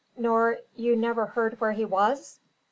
"Nor you never heard where he was?"